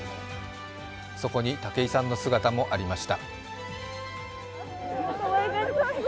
そこに武井さんの姿もありました。